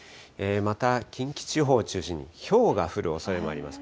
また、近畿地方を中心にひょうが降るおそれもあります。